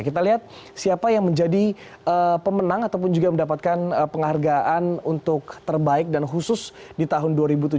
kita lihat siapa yang menjadi pemenang ataupun juga mendapatkan penghargaan untuk terbaik dan khusus di tahun dua ribu tujuh belas